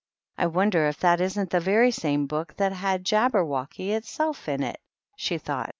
" I wonder if that isn't the very same book that had * Jabber wocky' itself in it," she thought.